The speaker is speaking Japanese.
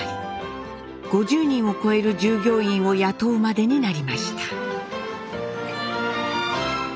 ５０人を超える従業員を雇うまでになりました。